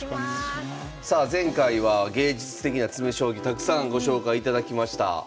さあ前回は芸術的な詰将棋たくさんご紹介いただきました。